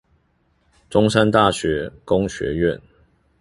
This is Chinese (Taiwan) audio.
中山大學工學院